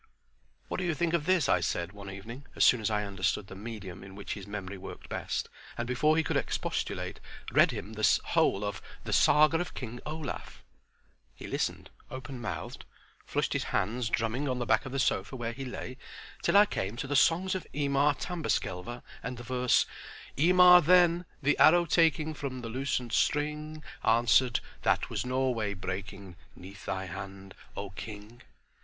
"What do you think of this?" I said one evening, as soon as I understood the medium in which his memory worked best, and, before he could expostulate read him the whole of "The Saga of King Olaf!" He listened open mouthed, flushed his hands drumming on the back of the sofa where he lay, till I came to the Songs of Emar Tamberskelver and the verse: "Emar then, the arrow taking From the loosened string, Answered: 'That was Norway breaking 'Neath thy hand, O King.'"